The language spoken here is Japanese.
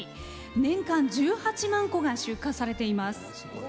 年間１８万個が出荷されています。